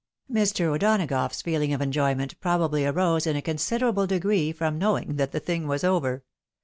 Mr. O'Donagough's feeling of enjoyment probably arose in a considerable degree from knowing that the thing was over.